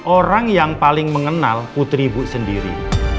orang yang paling mengenal putri ibu sendiri